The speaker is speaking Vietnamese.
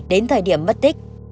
đến thời điểm mất tích